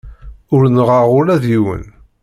Ur neɣɣeɣ ula d yiwen.